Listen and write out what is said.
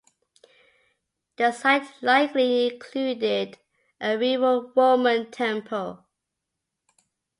The site likely included a rural Roman Temple.